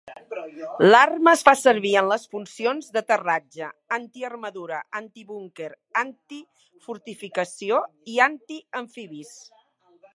L'arma es fa servir en les funcions d"aterratge anti-armadura, anti-búnquer, anti-fortificació i anti-amfibis.